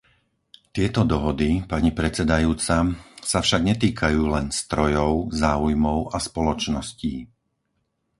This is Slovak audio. Tieto dohody, pani predsedajúca, sa však netýkajú len strojov, záujmov a spoločností.